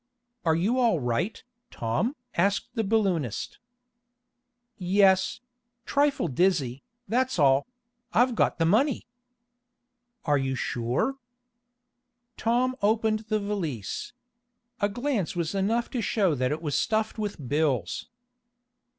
"Are you all right, Tom?" asked the balloonist. "Yes trifle dizzy, that's all I've got the money!" "Are you sure?" Tom opened the valise. A glance was enough to show that it was stuffed with bills.